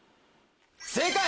正解！